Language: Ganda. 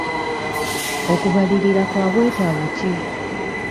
Okubalirira kwa bwetaavu ki?